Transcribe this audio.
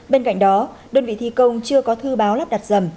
bên cạnh đó đơn vị thi công chưa có thư báo lắp đặt dầm